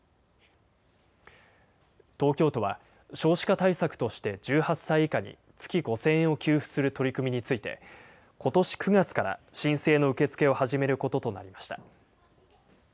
東京都は少子化対策として１８歳以下に、月５０００円を給付する取り組みについて、ことし９月から申請の受け付けを始めることとなりました。